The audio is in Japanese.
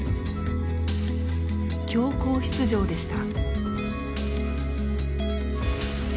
強行出場でした。